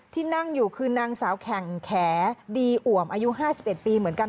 ที่นั่งอยู่คือนางสาวแข่งแขดีอ่วมอายุ๕๑ปีเหมือนกัน